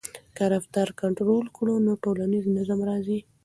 که رفتار کنټرول کړو نو ټولنیز نظم راځي.